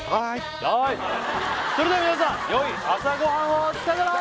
はーいそれでは皆さんよい朝ごはんをさよなら！